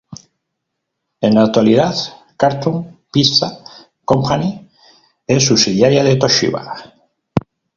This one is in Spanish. En la actualidad Cartoon Pizza Company es subsidiaria de Toshiba.